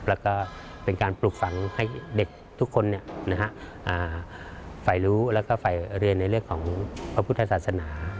แล้วก็เป็นการปลูกฝังให้เด็กทุกคนฝ่ายรู้แล้วก็ฝ่ายเรียนในเรื่องของพระพุทธศาสนา